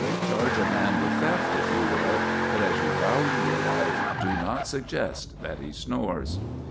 Charge a man with theft, if you will; but, as you value your life, do not suggest that he snores.